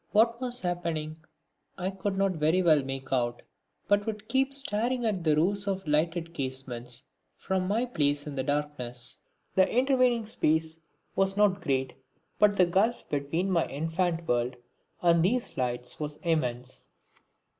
What was happening I could not very well make out, but would keep staring at the rows of lighted casements from my place in the darkness. The intervening space was not great but the gulf between my infant world and these lights was immense.